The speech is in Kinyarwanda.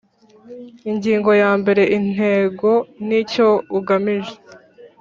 Ingingo ya mbere Intego n icyo ugamije